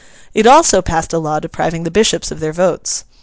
It also passed a law depriving the Bishops of their votes.